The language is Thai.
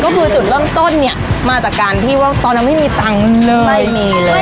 ก็คือจุดเริ่มต้นเนี่ยมาจากการที่ว่าตอนนั้นไม่มีตังค์เลยไม่มีเลย